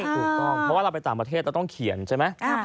ถูกต้องเพราะว่าเราไปต่างประเทศเราต้องเขียนใช่ไหม